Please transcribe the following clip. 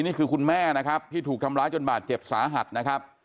คุณแม่นะครับที่ถูกทำร้ายจนบาดเจ็บสาหัสนะครับ